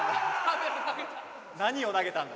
何を投げたんだ！